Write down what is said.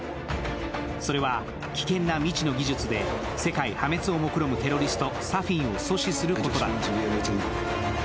それは危険な未知の技術で世界破滅をもくろむテロリストサフィンを阻止することだった。